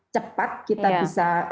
cepat kita bisa